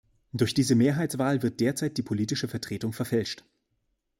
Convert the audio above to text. Durch diese Mehrheitswahl wird derzeit die politische Vertretung verfälscht.